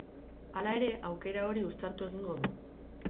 Hala ere, aukera hori uztartu egingo du.